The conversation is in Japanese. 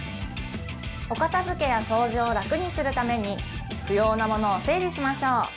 お片付けや掃除を楽にするために不要なものを整理しましょう